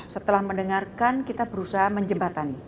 setelah mendengarkan kita berusaha menjembatani